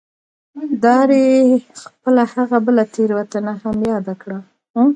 ډاربي خپله هغه بله تېروتنه هم ياده کړه.